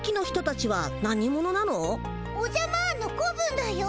おじゃマーンの子分だよ。